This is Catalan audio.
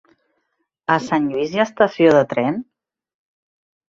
A Sant Lluís hi ha estació de tren?